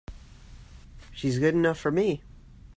She's good enough for me!